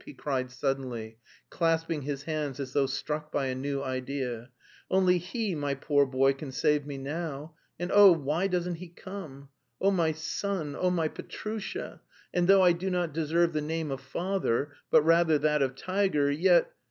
he cried suddenly, clasping his hands as though struck by a new idea. "Only he, my poor boy, can save me now, and, oh, why doesn't he come! Oh, my son, oh, my Petrusha.... And though I do not deserve the name of father, but rather that of tiger, yet...